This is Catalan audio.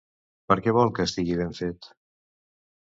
Per què vol que estigui ben fet?